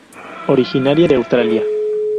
Originaria de Australia.